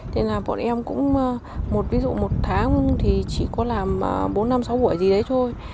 thế là bọn em cũng một ví dụ một tháng thì chỉ có làm bốn năm sáu buổi gì đấy thôi